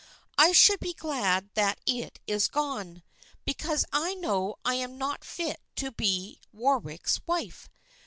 I should be glad that it is gone, because I know I am not fit to be Warwick's wife.